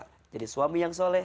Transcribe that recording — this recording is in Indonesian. menjadi suami yang soleh